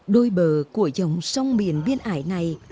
đối bờ của dòng sông biên biên ải này